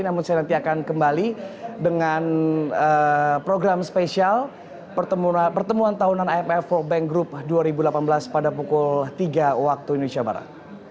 namun saya nanti akan kembali dengan program spesial pertemuan tahunan imf world bank group dua ribu delapan belas pada pukul tiga waktu indonesia barat